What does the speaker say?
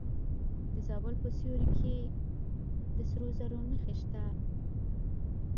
د زابل په سیوري کې د سرو زرو نښې شته.